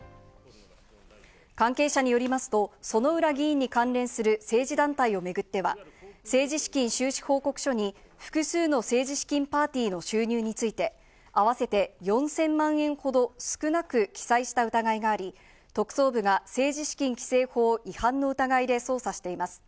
関係者によりますと、薗浦議員に関連する政治団体をめぐっては、政治資金収支報告書に複数の政治資金パーティーの収入について合わせて４０００万円ほど少なく記載した疑いがあり、特捜部が政治資金規正法違反の疑いで捜査しています。